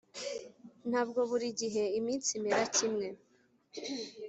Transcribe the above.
ntabwo buri gihe iminsi imera kimwe.